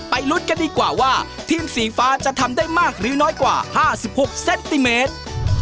ลุ้นกันดีกว่าว่าทีมสีฟ้าจะทำได้มากหรือน้อยกว่า๕๖เซนติเมตร